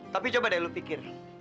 tapi coba deh lu pikir